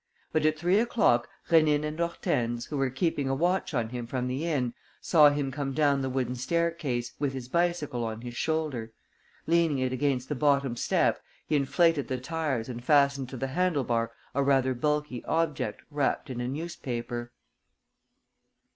But at three o'clock Rénine and Hortense, who were keeping a watch on him from the inn, saw him come down the wooden staircase, with his bicycle on his shoulder. Leaning it against the bottom step, he inflated the tires and fastened to the handle bar a rather bulky object wrapped in a newspaper.